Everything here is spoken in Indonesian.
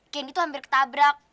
kendi tuh hampir ketabrak